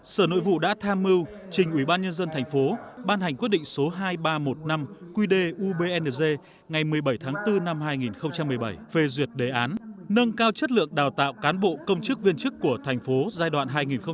sở nội vụ đã tham mưu trình ubnd tp ban hành quyết định số hai nghìn ba trăm một mươi năm qd ubnz ngày một mươi bảy tháng bốn năm hai nghìn một mươi bảy về duyệt đề án nâng cao chất lượng đào tạo cán bộ công chức viên chức của thành phố giai đoạn hai nghìn một mươi sáu hai nghìn hai mươi